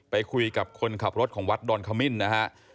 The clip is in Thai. ไปคุยกับคนขับรถของวัดดอนขมิ้นนะฮะ